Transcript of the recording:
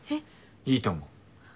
いいと思う。